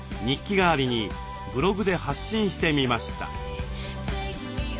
代わりにブログで発信してみました。